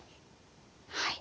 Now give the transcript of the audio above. はい。